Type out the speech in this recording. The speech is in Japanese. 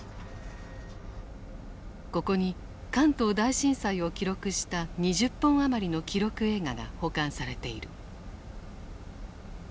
ここに関東大震災を記録した２０本余りの記録映画が保管されている。